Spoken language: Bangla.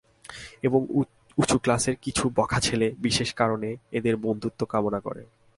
এবং উচু ক্লাসের কিছু বখা ছেলে বিশেষ কারণে এদের বন্ধুত্ব কামনা করে।